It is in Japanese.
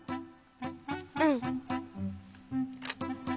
うん。